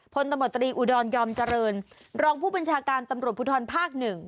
ตมตรีอุดรยอมเจริญรองผู้บัญชาการตำรวจภูทรภาค๑